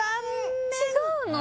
違うの？